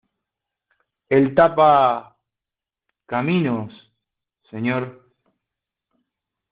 el tapa --- caminos, señor.